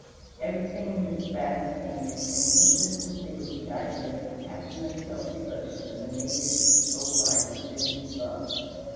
Everything in this last scene is in consistency with the idea of the passionate self devotion of a nature whose sole life is in its love.